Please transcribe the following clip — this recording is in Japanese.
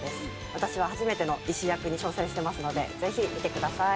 私は初めての医師役に挑戦してますのでぜひ見てください。